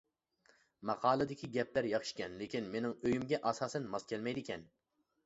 ماقالىدىكى گەپلەر ياخشىكەن، لېكىن مېنىڭ ئۆيۈمگە ئاساسەن ماس كەلمەيدىكەن.